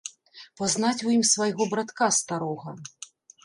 Пазнаць у ім свайго братка старога.